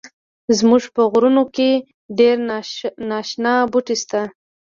زمونږ په غرونو کښی ډیر ناشنا بوټی شته